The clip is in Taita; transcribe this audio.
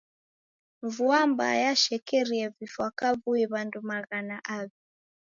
Vua mbaa yashekerie vifwa kavui w'andu maghana aw'i.